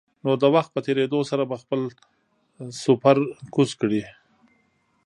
نو د وخت په تېرېدو سره به خپل سپر کوز کړي.